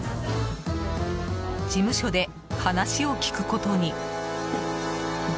事務所で話を聞くことに。